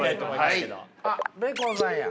あっベーコンさんや。